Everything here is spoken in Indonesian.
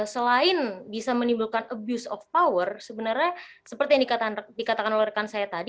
selain bisa menimbulkan abuse of power sebenarnya seperti yang dikatakan oleh rekan saya tadi